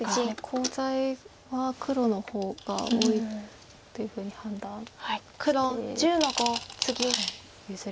コウ材は黒の方が多いというふうに判断して。